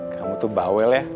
kamu tuh bawel ya